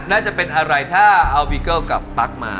น่าจะเป็นอะไรถ้าเอาบีเกิลกับปั๊กมา